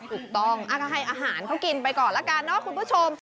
ถูกต้องก็ให้อาหารเขากินไปก่อนละกันเนาะคุณผู้ชม